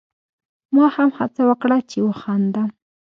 ما هم هڅه وکړه چې وخاندم.